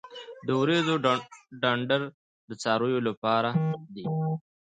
د وریجو ډنډر د څارویو لپاره دی.